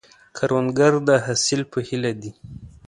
کروندګر د حاصل په هیله دی